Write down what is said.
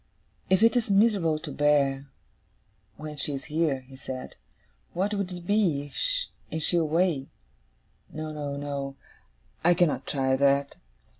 'If it is miserable to bear, when she is here,' he said, 'what would it be, and she away? No, no, no. I cannot try that.